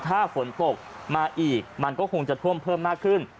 ถ้าฝนตกมาอีกมันก็คงจะท่วมเพิ่มมากขึ้น